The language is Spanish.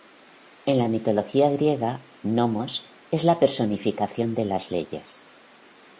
En la mitología griega, "Nomos" es la personificación de las leyes.